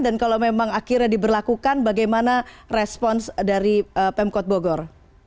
dan kalau memang akhirnya diberlakukan bagaimana respons dari pemkot bogor